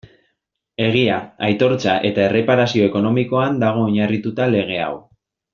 Egia, aitortza eta erreparazio ekonomikoan dago oinarrituta lege hau.